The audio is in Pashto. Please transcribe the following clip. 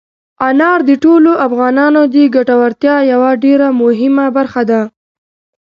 انار د ټولو افغانانو د ګټورتیا یوه ډېره مهمه برخه ده.